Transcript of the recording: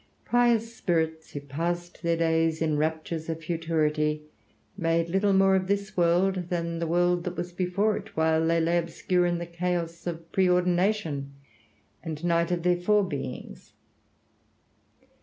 Pious spirits, who passed their days in raptures of futurity, made little more of this world than the world that was before it, while they lay obscure in the chaos of preordination and night of their forebeings.